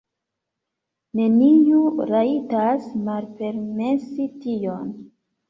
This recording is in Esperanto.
Neniu rajtas malpermesi tion!